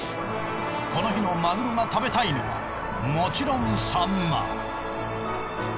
この日のマグロが食べたいのはもちろんサンマ。